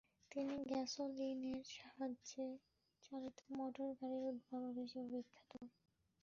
তিনি গ্যাসোলিনের সাহায্যে চালিত মোটরগাড়ির উদ্ভাবক হিসেবে বিখ্যাত।